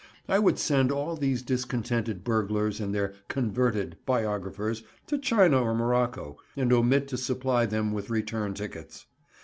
I would send all these discontented burglars and their "converted" biographers to China or Morocco, and omit to supply them with return tickets.